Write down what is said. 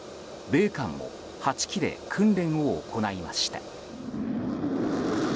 米韓も８機で訓練を行いました。